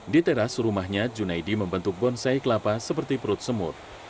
di teras rumahnya junaidi membentuk bonsai kelapa seperti perut semut